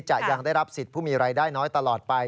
จะยังได้รับสิทธิ์ผู้มีรายได้น้อยตลอดไป